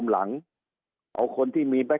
สุดท้ายก็ต้านไม่อยู่